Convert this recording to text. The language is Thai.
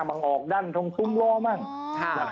มันออกด้านทรงตุ้งล่อมาก